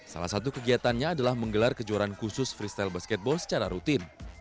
salah satu kegiatannya adalah menggelar kejuaraan khusus freestyle basketball secara rutin